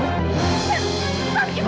ibu kita harus periksa